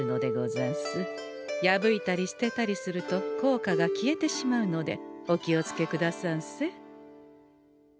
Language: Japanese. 破いたり捨てたりすると効果が消えてしまうのでお気を付けくださんせ。